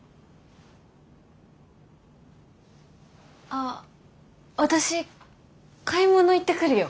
あ私買い物行ってくるよ。